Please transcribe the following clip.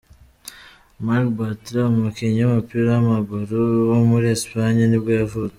Marc Bartra, umukinnyi w’umupira w’amaguru wo muri Espagne nibwo yavutse.